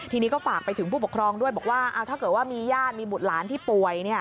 ทีนี้ก็ฝากไปถึงผู้ปกครองด้วยบอกว่าถ้าเกิดว่ามีญาติมีบุตรหลานที่ป่วย